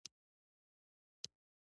د انحراف هر تار چې په کې ومومم.